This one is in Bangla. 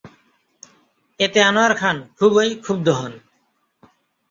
এতে আনোয়ার খান খুবই ক্ষুব্ধ হন।